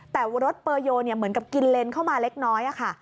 แต่รถเปอร์โยเหมือนกับกินเลนเข้ามาเล็กน้อยค่ะ